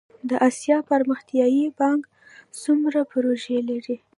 د اسیا پرمختیایی بانک څومره پروژې لري؟